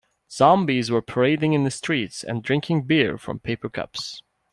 Zombies were parading in the streets and drinking beer from paper cups.